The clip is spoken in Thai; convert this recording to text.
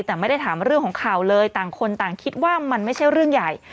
แต่ไม่ได้ถามเรื่องของข่าวเลยต่างคนต่างคิดว่ามันไม่ใช่เรื่องใหญ่